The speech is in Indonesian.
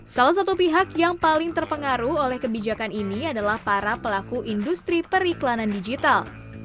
salah satu pihak yang paling terpengaruh oleh kebijakan ini adalah para pelaku industri periklanan digital